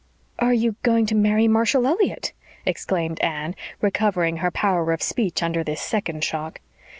"Are you going to marry Marshall Elliott?" exclaimed Anne, recovering her power of speech under this second shock.